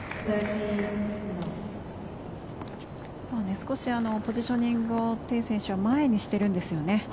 少しポジショニングをテイ選手は前にしてるんですよね。